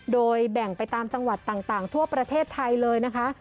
โดยแบ่งไปตามจังหวัดต่างทั่วประเทศไทยเลยนะคะ